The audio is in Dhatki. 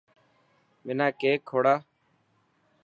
منا ڪيڪ کوڙا.